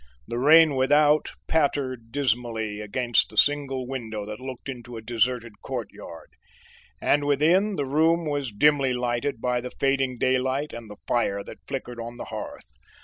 The rain without pattered dismally against the single window that looked into a deserted court and within the room was dimly lighted by the fading daylight and the fire that flickered on the hearth.